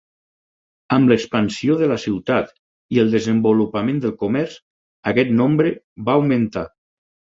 Amb l'expansió de la ciutat i el desenvolupament del comerç, aquest nombre va augmentà.